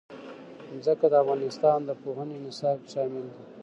ځمکه د افغانستان د پوهنې نصاب کې شامل دي.